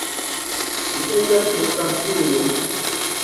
Mi estas de Francujo.